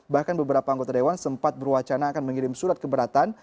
bahkan beberapa anggota dewan sempat berwacana akan mengirim surat keberatan